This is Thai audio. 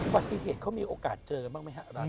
อุบัติเหตุเขามีโอกาสเจอบ้างไหมครับ